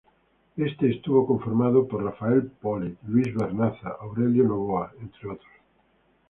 Este estuvo conformado por Rafael Pólit, Luis Vernaza, Aurelio Noboa, entre otros.